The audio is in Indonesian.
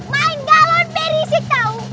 main galon berisik tau